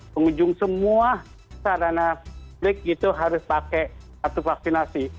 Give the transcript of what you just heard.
pengunjung semua sarana publik itu harus pakai kartu vaksinasi